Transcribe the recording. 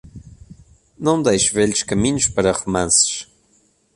Não deixe velhos caminhos para romances.